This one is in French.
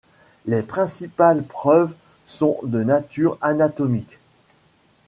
Les principales preuves sont de nature anatomique.